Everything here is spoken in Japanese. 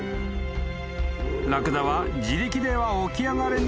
［ラクダは自力では起き上がれないようだ］